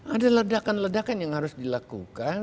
ada ledakan ledakan yang harus dilakukan